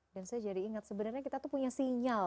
dan saya jadi ingat sebenarnya kita itu punya sinyal